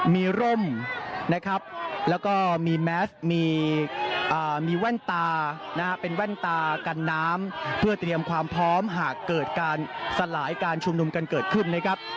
มีร่มนะครับแล้วก็มีแมสมีแว่นตานะฮะเป็นแว่นตากันน้ำเพื่อเตรียมความพร้อมหากเกิดการสลายการชุมนุมกันเกิดขึ้นนะครับ